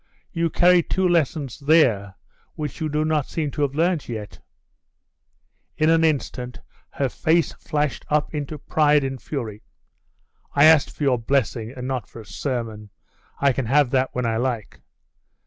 You carry two lessons there which you do not seem to have learnt yet.' In an instant her face flashed up into pride and fury. 'I asked for your blessing, and not for a sermon. I can have that when I like.